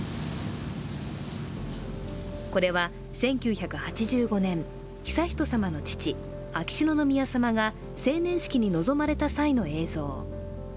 これは１９８５年、悠仁さまの父秋篠宮さまが成年式に臨まれた際の映像。